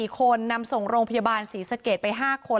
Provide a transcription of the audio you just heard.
๔คนนำส่งโรงพยาบาลศรีสะเกดไป๕คน